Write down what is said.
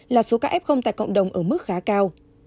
là số ca f tại cộng đồng ở mức khá cao